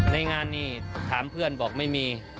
ในงานนี้ถามเพื่อนบอกไม่มี